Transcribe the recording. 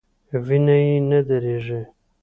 وینه یې نه دریږي.